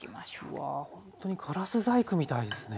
うわほんとにガラス細工みたいですね。